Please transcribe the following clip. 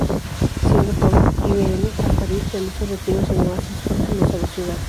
Siendo joven, Ibn al-Farid realizó retiros en oasis próximos a la ciudad.